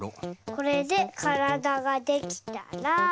これでからだができたら。